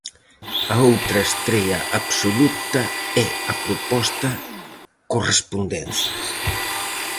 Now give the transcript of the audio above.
A outra estrea absoluta é a proposta "Correspondencias".